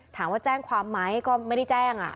ถามว่าแจ้งความไหมก็ไม่ได้แจ้ง